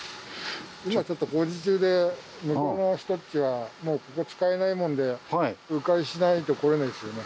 今ちょっと工事中で向こうの人たちはもうここ使えないもんでう回しないと来れないんですよね。